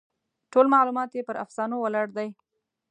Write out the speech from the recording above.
ټول معلومات یې پر افسانو ولاړ دي.